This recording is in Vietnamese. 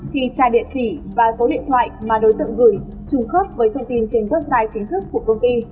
thì trai địa chỉ và số điện thoại mà đối tượng gửi trùng khớp với thông tin trên website chính thức của công ty